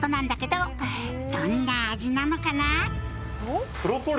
「どんな味なのかな？」